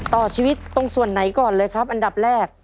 ต่อชีวิตตรงส่วนไหนก่อนเลยครับอันดับแรก